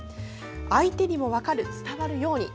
相手にも分かる、伝わるように。